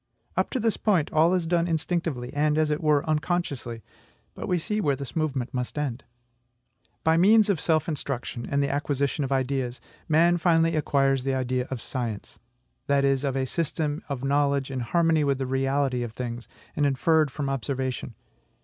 Up to this point, all is done instinctively, and, as it were, unconsciously; but see where this movement must end. By means of self instruction and the acquisition of ideas, man finally acquires the idea of SCIENCE, that is, of a system of knowledge in harmony with the reality of things, and inferred from observation.